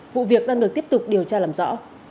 vụ việc đang được tiếp tục điều tra làm rõ